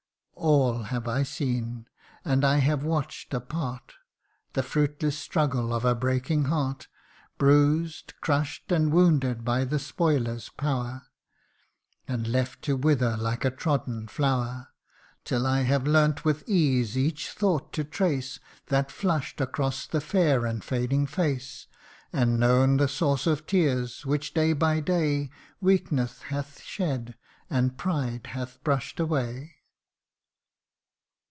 ( z ) All have I seen and I have watch'd apart The fruitless struggles of a breaking heart, Bruised, crush'd, and wounded by the spoiler's power, And left to wither like a trodden flower ; Till I have learnt with ease each thought to trace That flush'd across the fair and fading face, And known the source of tears, which day by day Weakness hath shed, and pride hath brush'd away.